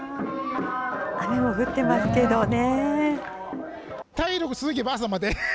雨も降ってますけどね。